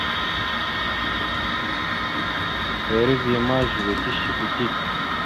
Eriveya ma zʉwe tishiɓe dik.